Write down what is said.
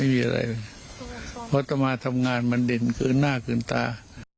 เพราะอัตมาทำงานมันเด่นเกินหน้าเกินตา